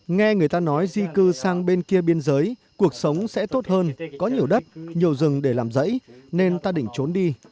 nghe người ta nói di cư sang bên kia biên giới cuộc sống sẽ tốt hơn có nhiều đất nhiều rừng để làm rẫy nên ta định trốn đi